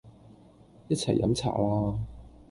一齊飲茶啦